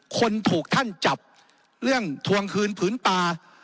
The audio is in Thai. คนถูกท่านจับเรื่องทวงคืนผืนป่า